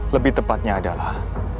lebih tepatnya adalah